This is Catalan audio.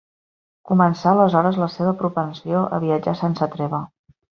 Començà aleshores la seva propensió a viatjar sense treva.